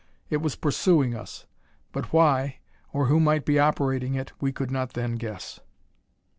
It was pursuing us. But why, or who might be operating it we could not then guess.